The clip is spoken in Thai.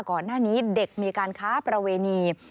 ก่อนหน้านี้เด็กมีการค้าประเวณี